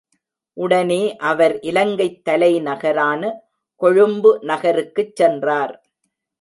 உடனே அவர் இலங்கைத் தலைநகரான கொழும்பு நகருக்குச் சென்றார்.